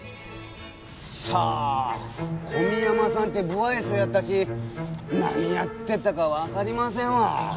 さあ小宮山さんって無愛想やったし何やってたかわかりませんわ。